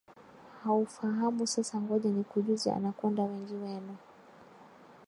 haufahamu Sasa ngoja nikujuze Anacconda Wengi wenu